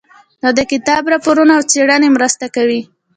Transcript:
د دې کتاب راپورونه او څېړنې مرسته کوي.